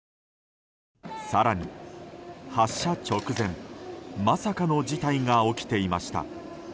更に、発車直前まさかの事態が起きていました。